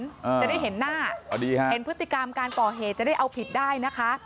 จะได้เห็นหน้าพอดีฮะเห็นพฤติกรรมการก่อเหตุจะได้เอาผิดได้นะคะ